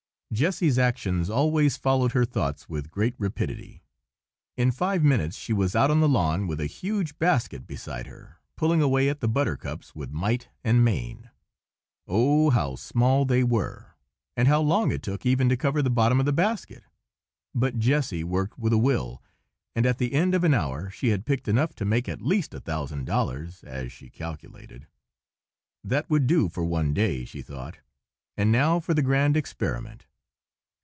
Jessy's actions always followed her thoughts with great rapidity. In five minutes she was out on the lawn, with a huge basket beside her, pulling away at the buttercups with might and main. Oh! how small they were, and how long it took even to cover the bottom of the basket. But Jessy worked with a will, and at the end of an hour she had picked enough to make at least a thousand dollars, as she calculated. That would do for one day, she thought; and now for the grand experiment!